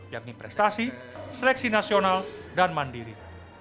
yakni prestasi seleksi nasional dan mandiri